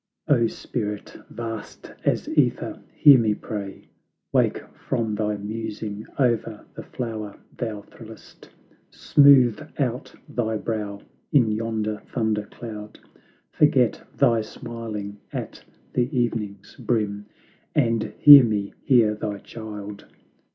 O, Spirit vast as ^Ether, hear me pray; Wake from thy musing o'er the flower thou thrillest; Smooth out thy frown in yonder thunder cloud; Forget thy smiling at the evening's brim, And hear me, hear thy child.